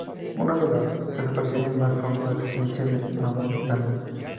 Una de las desapariciones más famosas es la extinción del mamut lanudo.